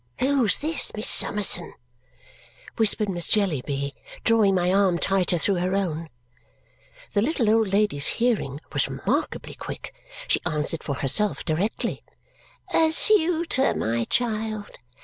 "Who's this, Miss Summerson?" whispered Miss Jellyby, drawing my arm tighter through her own. The little old lady's hearing was remarkably quick. She answered for herself directly. "A suitor, my child.